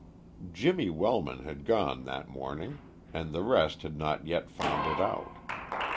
Jimmy Wellman had gone that morning, and the rest had not yet found it out.